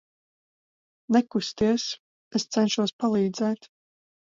Nekusties, es cenšos palīdzēt.